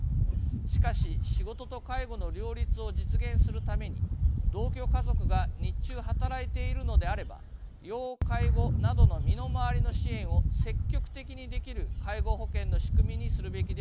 しかし仕事と介護の両立を実現するために同居家族が日中働いているのであれば要介護などの身の回りの支援を積極的にできる介護保険の仕組みにするべきではないでしょうか。